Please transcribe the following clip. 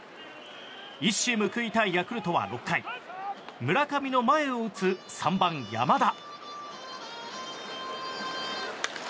一矢を報いたいヤクルトは村上の前を打つ３番、山田。